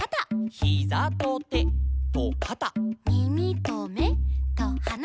「ヒザとてとかた」「みみとめとはな」